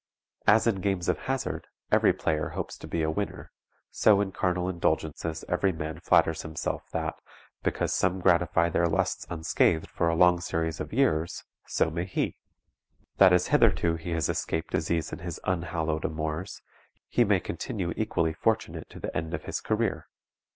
As in games of hazard every player hopes to be a winner, so in carnal indulgences every man flatters himself that, because some gratify their lusts unscathed for a long series of years, so may he; that as hitherto he has escaped disease in his unhallowed amours, he may continue equally fortunate to the end of his career.